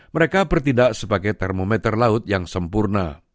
mereka bertindak sebagai termometer laut yang sempurna